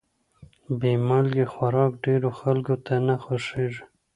بې مالګې خوراک ډېرو خلکو ته نه خوښېږي.